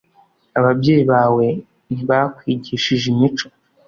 Ababyeyi bawe ntibakwigishije imico